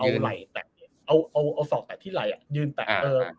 เอาไหล่แตะเอาสอบแตะที่ไหล่อะยืนแตะ